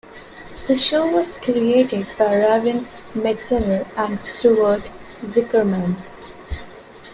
The show was created by Raven Metzner and Stuart Zicherman.